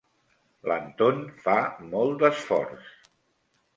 L'Anton fa molt d'esforç.